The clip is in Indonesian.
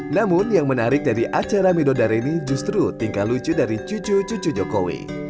namun yang menarik dari acara midodare ini justru tingkah lucu dari cucu cucu jokowi